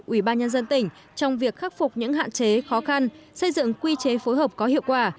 ủy ban nhân dân tỉnh trong việc khắc phục những hạn chế khó khăn xây dựng quy chế phối hợp có hiệu quả